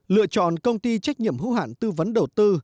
lựa chọn công ty trách nhiệm hữu hạn tư vấn đầu tư